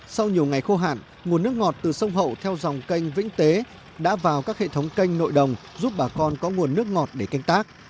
sau nhiều ngày khô hạn nguồn nước ngọt từ sông hậu theo dòng canh vĩnh tế đã vào các hệ thống canh nội đồng giúp bà con có nguồn nước ngọt để canh tác